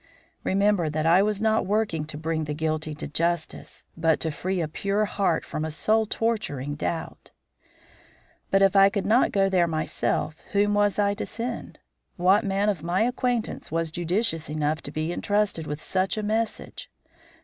Remember that I was not working to bring the guilty to justice, but to free a pure heart from a soul torturing doubt. But if I could not go there myself, whom was I to send? What man of my acquaintance was judicious enough to be entrusted with such a message?